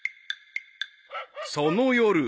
［その夜］